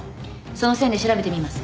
その線で調べてみます。